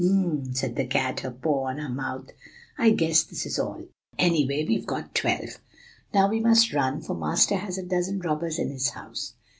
"'Um ' said the cat, her paw on her mouth, 'I guess this is all; anyway, we've got twelve. Now we must run, for master has a dozen robbers in his house.